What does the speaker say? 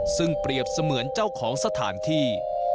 ซึ่งเปรียบเสมือนเจ้าของสถานที่